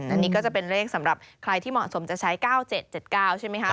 อันนี้ก็จะเป็นเลขสำหรับใครที่เหมาะสมจะใช้๙๗๗๙ใช่ไหมคะ